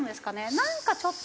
なんかちょっと。